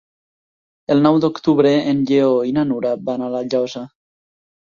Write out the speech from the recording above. El nou d'octubre en Lleó i na Nura van a La Llosa.